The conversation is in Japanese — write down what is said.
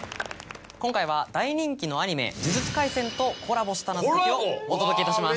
今回は大人気のアニメ『呪術廻戦』とコラボした謎解きをお届けいたします。